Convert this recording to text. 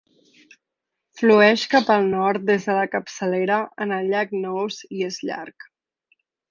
Flueix cap al nord des de la capçalera en el llac Nose i és llarg.